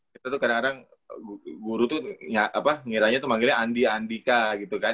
kita tuh kadang kadang guru tuh ngiranya tuh manggilnya andi andika gitu kan